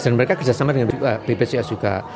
dan mereka kerjasama dengan bpjs juga